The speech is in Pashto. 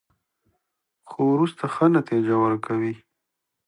خو وروسته ښه نتیجه ورکوي.